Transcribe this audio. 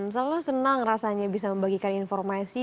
selalu senang rasanya bisa membagikan informasi